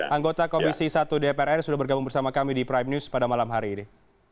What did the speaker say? anggota komisi satu dprr sudah bergabung bersama kami di prime news pada malam hari ini